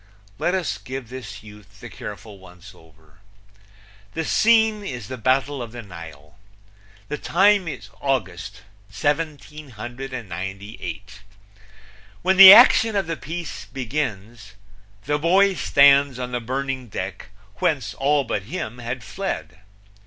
Let us give this youth the careful once over: The scene is the Battle of the Nile. The time is August, 1798. When the action of the piece begins the boy stands on the burning deck whence all but him had fled.